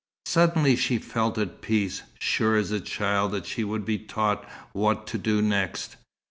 Suddenly she felt at peace, sure as a child that she would be taught what to do next.